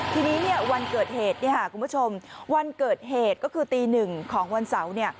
ทีนี้วันเกิดเหตุคุณผู้ชมวันเกิดเหตุก็คือตีหนึ่งของวันเสาร์